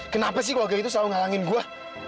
kenapa sih keluarga itu selalu ngalangin gue